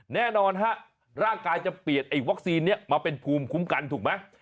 แน่นอนฮะร่างกายจะเปลี่ยนไอ้วัคซีนนี้มาเป็นภูมิคุ้มกันถูกไหม